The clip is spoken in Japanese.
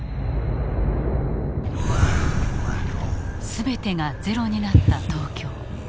全てがゼロになった東京。